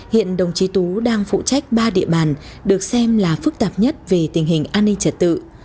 hiện đồng chí tú đang phụ trách ba địa bàn được xem là phức tạp nhất về tình hình an ninh trật tự